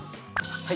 はい。